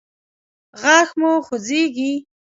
غاښ مو خوځیږي؟